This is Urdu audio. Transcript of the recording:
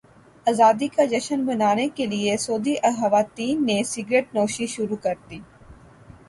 ازادی کا جشن منانے کے لیے سعودی خواتین نے سگریٹ نوشی شروع کردی